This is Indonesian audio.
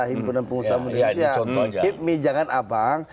hidmi jangan abang